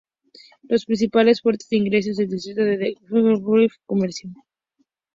Las principales fuentes de ingresos del distrito son la agricultura y el comercio.